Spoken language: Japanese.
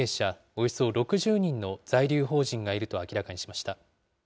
およそ６０人の在留邦人がいると明らかにしました。